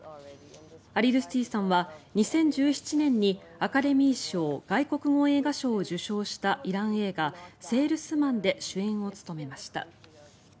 アリドゥスティさんは２０１７年にアカデミー賞外国語映画賞を受賞したイラン映画「セールスマン」で主演を務めました。